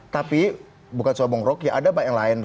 tapi bukan soal bung rocky ada yang lain